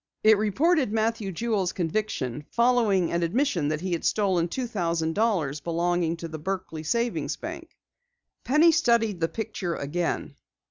It reported Matthew Jewel's conviction, following an admission that he had stolen two thousand dollars belonging to the Berkley Savings Bank. Penny studied the picture again.